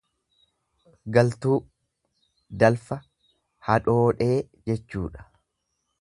Galtuu, dalfa, hadhoodhee jechuudha.